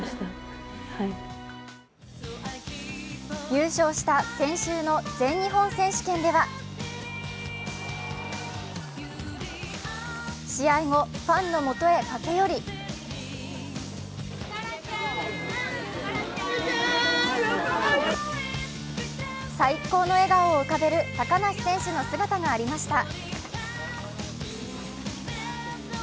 優勝した先週の全日本選手権では、試合後、ファンのもとへ駆け寄り最高の笑顔を浮かべる高梨選手の姿がありました。